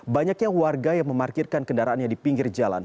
banyaknya warga yang memarkirkan kendaraannya di pinggir jalan